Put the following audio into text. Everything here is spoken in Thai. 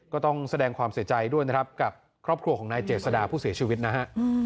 ก็ต้องแสดงความเสียใจด้วยนะครับกับครอบครัวของนายเจษดาผู้เสียชีวิตนะฮะ